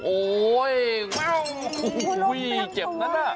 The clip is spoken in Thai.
โอ้ยว้าวอุ้ยเจ็บนั้นอ่ะ